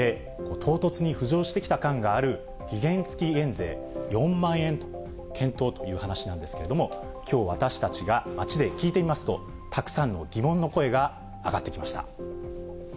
唐突に浮上してきた感がある、期限付き減税、４万円検討という話なんですけれども、きょう私たちが街で聞いてみますと、たくさんの疑問の声が上がってきました。